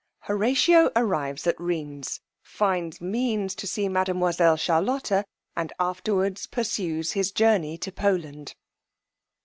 Horatio arrives at Rheines, finds means to see mademoiselle Charlotta and afterwards pursues his journey to Poland.